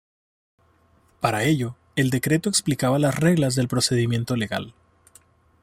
Para ello, el decreto explicaba las reglas del procedimiento legal.